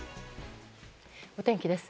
お天気です。